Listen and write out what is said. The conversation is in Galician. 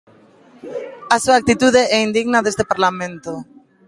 A súa actitude é indigna deste Parlamento.